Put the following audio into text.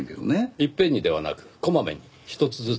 一遍にではなくこまめに１つずつ。